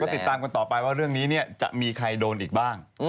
ติดตามกันต่อไปว่าเรื่องนี้จะมีใครโดนอีกบ้าง